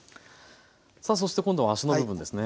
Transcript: さあそして今度は足の部分ですね